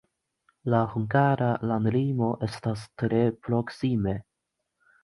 La hungara landlimo estas tre proksime.